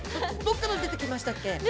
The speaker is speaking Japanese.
どこから出てきましたっけ？